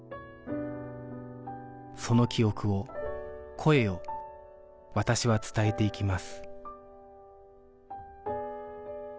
その記憶を声を私は伝えていきます